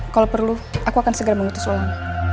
kalau perlu aku akan segera mengutus ulang